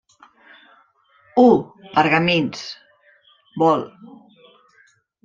I: pergamins; vol.